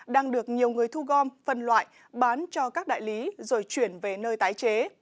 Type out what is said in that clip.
đang được nhiều người thu gom phân loại bán cho các đại lý rồi chuyển về nơi tái chế